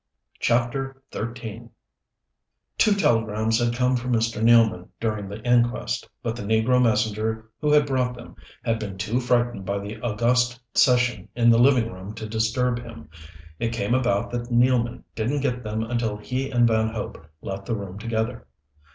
CHAPTER XIII Two telegrams had come for Mr. Nealman during the inquest; but the negro messenger who had brought them had been too frightened by the august session in the living room to disturb him. It came about that Nealman didn't get them until he and Van Hope left the room together.